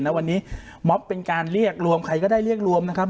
ณวันนี้ม็อบเป็นการเรียกรวมใครก็ได้เรียกรวมนะครับ